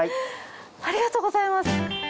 ありがとうございます。